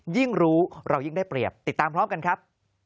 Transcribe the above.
ยิ่งรู้เรายิ่งได้เปรียบติดตามพร้อมกันครับ